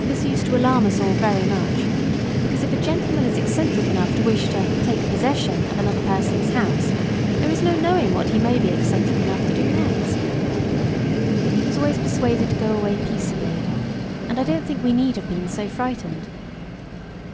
This used to alarm us all very much, because if a gentleman is eccentric enough to wish to "take possession" of another person's house there is no knowing what he may be eccentric enough to do next. But he was always persuaded to go away peaceably, and I don't think we need have been so frightened.